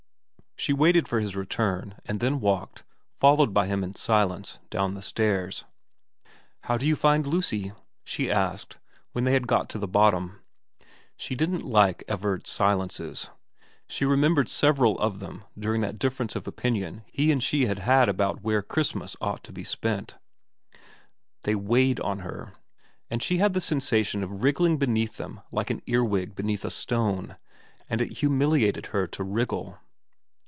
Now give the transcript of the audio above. She waited for his return, and then walked, followed by him in silence, down the stairs. ' How do you find Lucy ?' she asked when they had got to the bottom. She didn't like Everard's silences ; she remembered several of them during that difference of opinion he and she had had about where Christmas should be spent. They weighed on her ; and she had the sensation of wriggling beneath them like an earwig beneath a stone, and it humiliated her to wriggle.